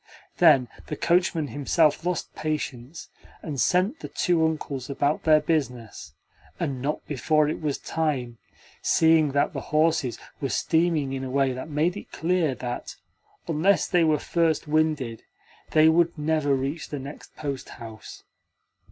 Then the coachman himself lost patience, and sent the two Uncles about their business and not before it was time, seeing that the horses were steaming in a way that made it clear that, unless they were first winded, they would never reach the next posthouse.